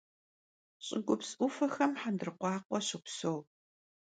Ş'ıgups 'Ufexem xhendırkhuakhue şopseu.